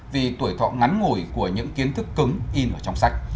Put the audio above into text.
vì tuổi thọ ngắn ngồi của những kiến thức cứng in ở trong sách